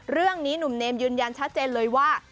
เรื่องนี้หนุ่มเนมยืนยันชัดเจนเลยว่า